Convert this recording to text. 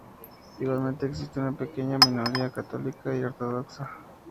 Igualmente existe una pequeña minoría católica y ortodoxa.